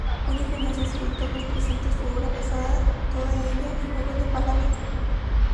Un ingenioso escultor nos presenta su obra, basada toda ella en juegos de palabras.